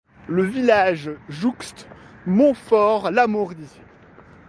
Le village jouxte Montfort-l'Amaury.